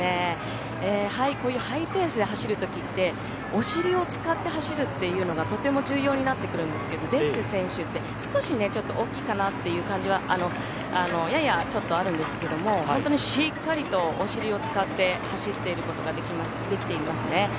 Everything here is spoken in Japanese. こういうハイペースで走る時ってお尻を使って走るっていうのがとても重要になってくるんですけどデッセ選手って少し大きいかなという感じがややちょっとあるんですけども本当にしっかりとお尻を使って走ることができていますね。